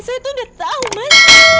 saya itu sudah tahu mas